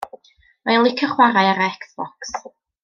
Mae o'n licio chwarae ar yr Xbox.